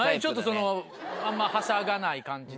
あんまはしゃがない感じで。